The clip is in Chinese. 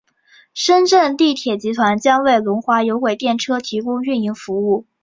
深圳地铁集团将为龙华有轨电车提供运营服务。